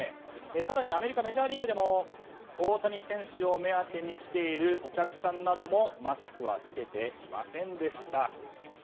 更に、アメリカメジャーリーグでも大谷選手を目当てに来ているお客さんなどもマスクは着けていませんでした。